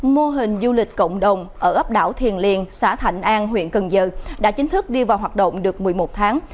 mô hình du lịch cộng đồng ở ấp đảo thiền liền xã thạnh an huyện cần giờ đã chính thức đi vào hoạt động được một mươi một tháng